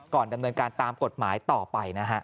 ดำเนินการตามกฎหมายต่อไปนะฮะ